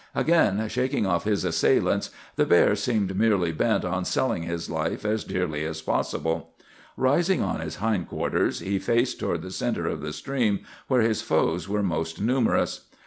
"Again shaking off his assailants, the bear seemed merely bent on selling his life as dearly as possible. Rising on his hindquarters, he faced toward the centre of the stream, where his foes were most numerous.